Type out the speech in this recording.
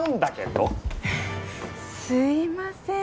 すいません。